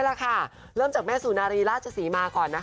เริ่มจากแม่สู่นารีราชศรีมาก่อน